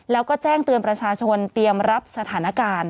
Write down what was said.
แล้วก็แจ้งเตือนประชาชนเตรียมรับสถานการณ์